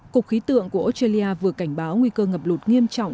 cục khí tượng của australia vừa cảnh báo nguy cơ ngập lụt nghiêm trọng